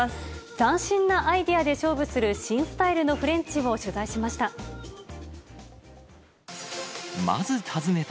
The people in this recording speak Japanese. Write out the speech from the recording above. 斬新なアイデアで勝負する新スタイルのフレンチを取材しました。